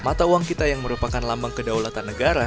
mata uang kita yang merupakan lambang kedaulatan negara